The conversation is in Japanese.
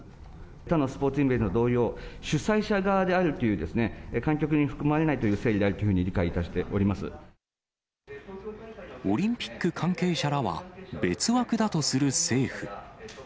他のスポーツイベント同様、主催者側であるという、観客に含まれないという整理であるというふうに理解いたしておりオリンピック関係者らは別枠だとする政府。